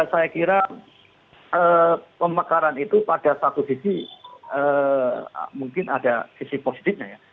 saya kira pemekaran itu pada satu sisi mungkin ada sisi positifnya ya